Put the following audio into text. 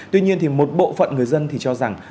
tuy nhiên thì một bộ phận người dân thì cho rằng